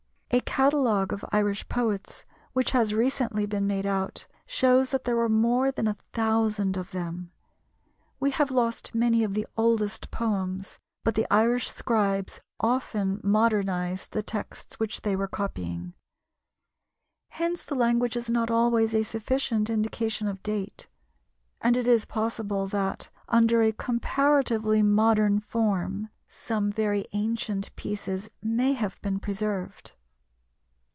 A catalogue of Irish poets, which has recently been made out, shows that there were more than a thousand of them. We have lost many of the oldest poems, but the Irish scribes often modernized the texts which they were copying. Hence the language is not always a sufficient indication of date, and it is possible that, under a comparatively modern form, some very ancient pieces may have been preserved.